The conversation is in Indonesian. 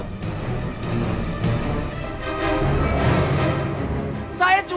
saya janji saya gak akan kabur